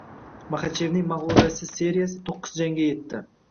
Maxachevning mag‘lubiyatsiz seriyasito´qqizta jangga yetdi